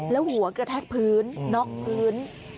แล้วหัวกระแทกพื้นน็อกพื้น